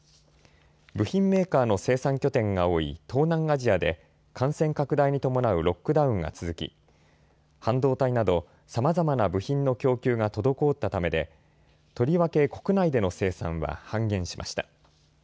部品メーカーの生産拠点が多い東南アジアで感染拡大に伴うロックダウンが続き半導体などさまざまな部品の供給が滞ったためでとりわけ国内での生産は半減しました。